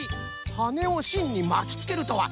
はねをしんにまきつけるとは。